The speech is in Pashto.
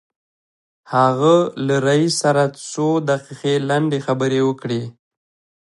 هغه له رئيس سره څو دقيقې لنډې خبرې وکړې.